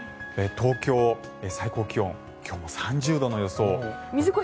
東京、最高気温今日も３０度の予想。